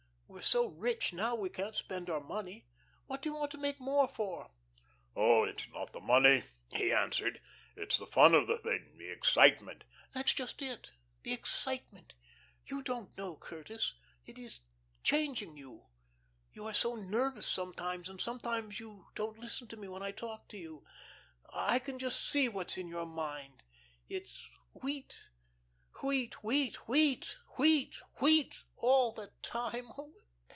We're so rich now we can't spend our money. What do you want to make more for?" "Oh, it's not the money," he answered. "It's the fun of the thing; the excitement " "That's just it, the 'excitement.' You don't know, Curtis. It is changing you. You are so nervous sometimes, and sometimes you don't listen to me when I talk to you. I can just see what's in your mind. It's wheat wheat wheat, wheat wheat wheat, all the time.